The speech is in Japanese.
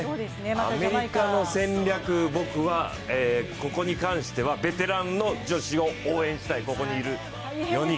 アメリカの戦略、僕はここに関してはベテランの女子を応援したい、ここにいる４人。